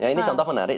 ini contoh menarik